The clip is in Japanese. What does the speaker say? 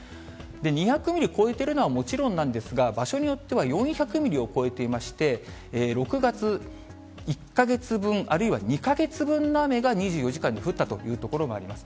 ２００ミリを超えているのはもちろんなんですが、場所によっては４００ミリを超えていまして、６月１か月分、あるいは２か月分の雨が２４時間に降ったという所もあります。